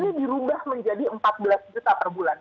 ini dirubah menjadi empat belas juta per bulan